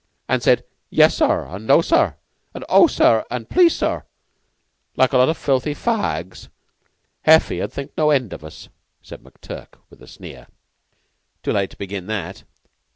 an' said, 'Yes, sir,' an' 'No, sir,' an' 'O, sir,' an' 'Please, sir,' like a lot o' filthy fa ags, Heffy 'ud think no end of us," said McTurk with a sneer. "Too late to begin that."